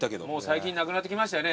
最近なくなってきましたよね？